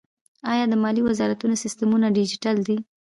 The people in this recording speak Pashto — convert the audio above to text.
آیا د مالیې وزارت سیستمونه ډیجیټل دي؟